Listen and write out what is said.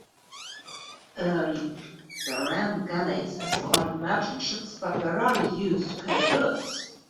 Early bireme galleys escorted merchant ships but were rarely used to carry goods.